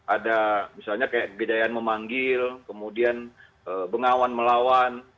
ada misalnya kayak bidayaan memanggil kemudian bengawan melawan